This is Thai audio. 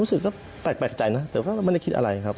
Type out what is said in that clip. รู้สึกก็แปลกใจนะแต่ว่าไม่ได้คิดอะไรครับ